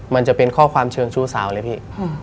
มันจะเป็นข้อความเชิงชู้สาวเลยพี่